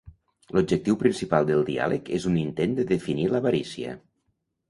L'objectiu principal del diàleg és un intent de definir l'avarícia.